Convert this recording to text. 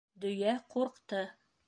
Дөйә ҡурҡты.